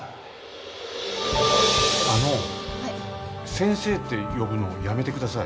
先生って呼ぶのやめてください。